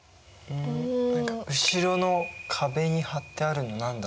何か後ろの壁に貼ってあるの何だろう？